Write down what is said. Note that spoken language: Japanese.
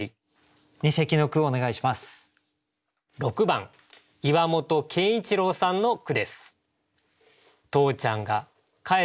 ６番岩本健一郎さんの句です。